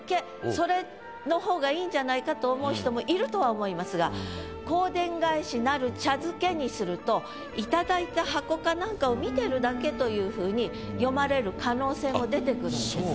それの方がいいんじゃないかと思う人もいるとは思いますが「香典返しなる茶漬け」にすると頂いた箱か何かを見てるだけというふうに読まれる可能性も出てくるんですね。